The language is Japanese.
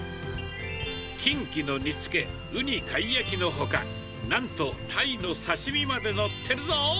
キンキの煮付け、ウニ貝焼きのほか、なんとタイの刺身まで載ってるぞ！